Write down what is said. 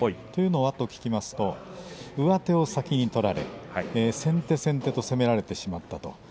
というのはと聞きますと上手を先に取られ先手先手と攻められてしまった。